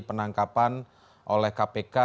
penangkapan oleh kpk